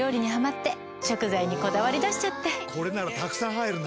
これならたくさん入るな。